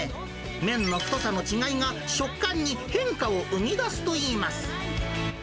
麺の太さの違いが、食感に変化を生み出すといいます。